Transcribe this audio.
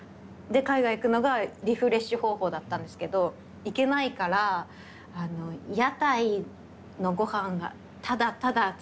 で海外行くのがリフレッシュ方法だったんですけど行けないから屋台のごはんがただただ作られる動画とかはたまに見ます。